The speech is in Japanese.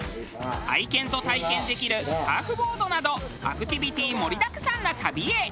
愛犬と体験できるサーフボードなどアクティビティ盛りだくさんな旅へ。